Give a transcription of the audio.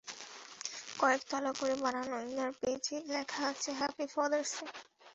কয়েক তলা করে বানানো ইনার পেজে লেখা আছে হ্যাপি ফাদার্স ডে।